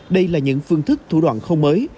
đây là những phương thức thủ đoạn không mới